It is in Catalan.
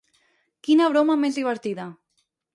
Quina broma més divertida.